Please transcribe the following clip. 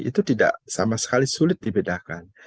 itu tidak sama sekali sulit dibedakan